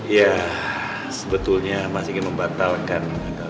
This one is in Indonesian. ya sebetulnya masih ingin membatalkan